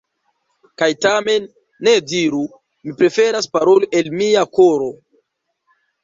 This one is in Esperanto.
Kaj tamen, ne diru: “Mi preferas paroli el mia koro”.